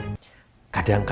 mukanya keren juga